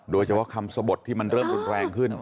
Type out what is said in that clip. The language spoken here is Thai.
โดยเฉพาะคำสะบดที่มันเริ่มรุนแรงขึ้น